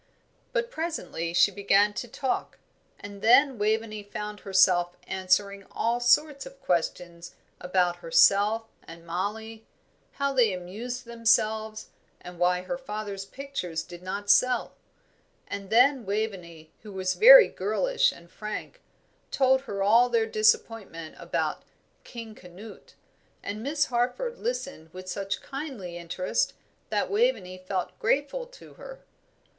But presently she began to talk, and then Waveney found herself answering all sorts of questions about herself and Mollie how they amused themselves, and why her father's pictures did not sell; and then Waveney, who was very girlish and frank, told her all their disappointment about "King Canute," and Miss Harford listened with such kindly interest that Waveney felt quite grateful to her.